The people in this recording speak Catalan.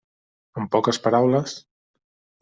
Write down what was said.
En poques paraules: